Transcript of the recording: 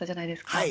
はい。